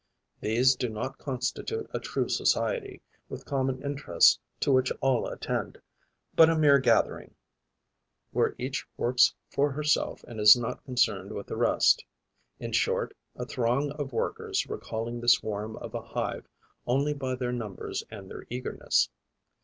These do not constitute a true society, with common interests to which all attend, but a mere gathering, where each works for herself and is not concerned with the rest, in short, a throng of workers recalling the swarm of a hive only by their numbers and their eagerness.